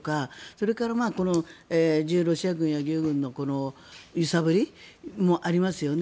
それから自由ロシア軍団や義勇軍の揺さぶりもありますよね。